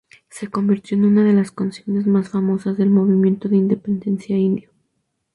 Se convirtió en una de las consignas más famosas del movimiento de independencia indio.